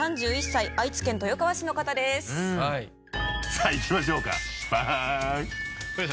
さぁいきましょうかバン。